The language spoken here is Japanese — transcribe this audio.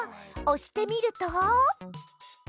おしてみると。